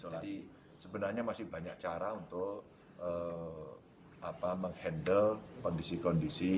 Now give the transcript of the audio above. jadi sebenarnya masih banyak cara untuk mengendal kondisi kondisi